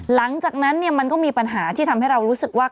หลังจากนั้นมันก็มีปัญหาที่ทำให้เรารู้สึกว่า